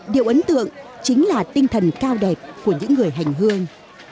điều ấn tượng chính là tinh thần cao đẹp của những người hành hương